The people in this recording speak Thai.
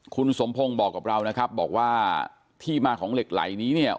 คุณสมพงศ์บอกกับเรานะครับบอกว่าที่มาของเหล็กไหล่นี้เนี่ย